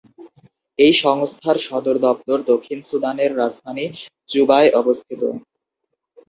এই সংস্থার সদর দপ্তর দক্ষিণ সুদানের রাজধানী জুবায় অবস্থিত।